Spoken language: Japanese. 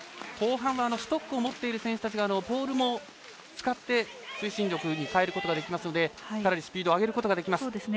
後半はストックを持っている選手はポールも使って、推進力に変えることができますのでかなりスピードを上げることができます。